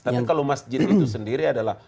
tapi kalau masjid itu sendiri adalah